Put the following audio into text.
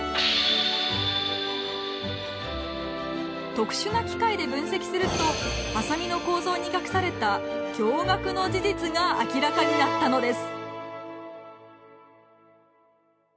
特殊な機械で分析するとハサミの構造に隠された驚がくの事実が明らかになったのです。